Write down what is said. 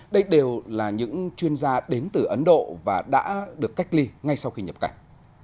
đây đều là những chuyên gia đến từ ấn độ và đã được cách ly ngay sau khi nhập cảnh